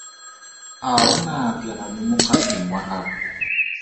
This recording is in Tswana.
A o ne a atlega mo mokgapheng wa gagwe?